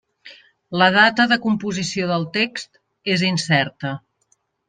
La data de composició del text és incerta.